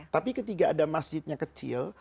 tapi ketika ada masjidnya kecil